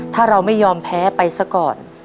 ถ้าเราไม่ยอมแพ้ไปซะก่อน